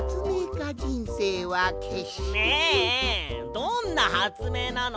どんなはつめいなの？